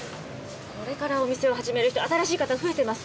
これからお店を始める人、新しい方、増えてます。